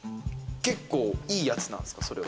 結構いいやつなんですか？